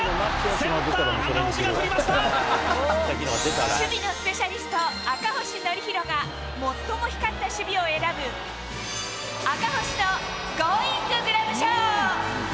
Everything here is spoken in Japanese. センター、守備のスペシャリスト、赤星憲広が、最も光った守備を選ぶ、赤星のゴーインググラブ賞。